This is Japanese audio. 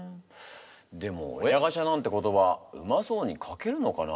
でも親ガチャなんて言葉うまそうに書けるのかな？